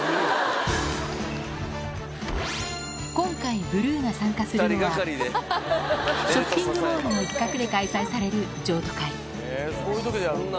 今回、ブルーが参加するのは、ショッピングモールの一角で開催される譲渡会。